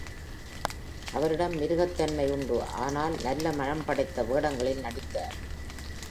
அவரிடம் மிருகத்தன்மை உண்டு ஆனால் நல்ல மனம் படைத்த வேடங்களில் நடித்தார்.